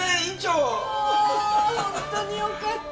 もう本当によかった。